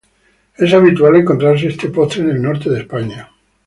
Es habitual encontrarse este postre en el norte de España.